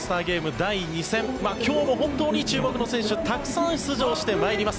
第２戦今日も本当に注目の選手たくさん出場してまいります。